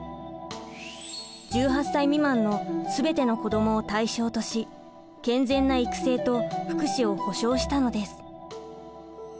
１８歳未満の全ての子どもを対象とし健全な育成と福祉を保障したのです。